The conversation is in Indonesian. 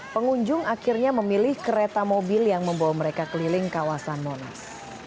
pengunjung akhirnya memilih kereta mobil yang membawa mereka keliling kawasan monas